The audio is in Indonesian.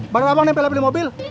badan abang nempel nepel di mobil